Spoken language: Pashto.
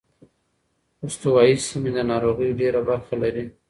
استوايي سیمې د ناروغۍ ډېره برخه لري.